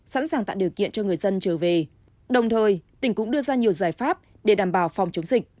sẵn sàng tạo điều kiện cho người dân trở về đồng thời tỉnh cũng đưa ra nhiều giải pháp để đảm bảo phòng chống dịch